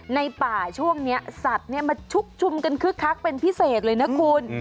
ในป่าช่วงนี้สัตว์มาชุกชุมกันคึกคักเป็นพิเศษเลยนะคุณ